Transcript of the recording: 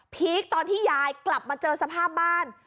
ีคตอนที่ยายกลับมาเจอสภาพบ้าน